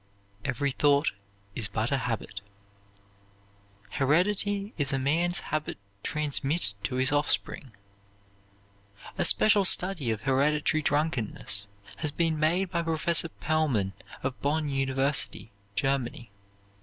"Even thought is but a habit." Heredity is a man's habit transmitted to his offspring. A special study of hereditary drunkenness has been made by Professor Pellman of Bonn University, Germany.